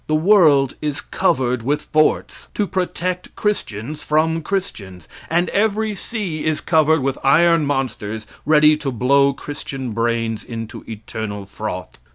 The world is covered with forts to protect Christians from Christians, and every sea is covered with iron monsters ready to blow Christian brains into eternal froth.